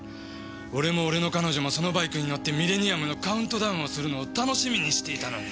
俺も俺の彼女もそのバイクに乗ってミレニアムのカウントダウンをするのを楽しみにしていたのに。